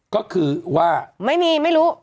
ก็คือว่าไม่มีไม่รู้